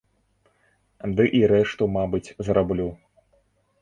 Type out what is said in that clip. Ды і рэшту, мабыць, зраблю.